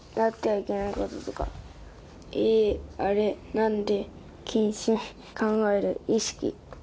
「なんで」「禁止」「考える」「意識」